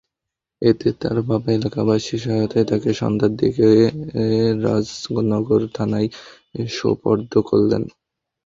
এতে তাঁর বাবা এলাকাবাসীর সহায়তায় তাঁকে সন্ধ্যার দিকে রাজনগর থানায় সোপর্দ করেন।